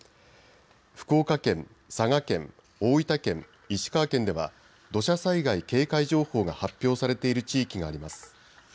福岡県、佐賀県、大分県、石川県では土砂災害警戒情報が発表されている地域があります。